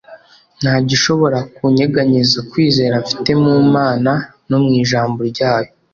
nta gishobora kunyeganyeza kwizera mfite mu Mana no mu Ijambo ryayo.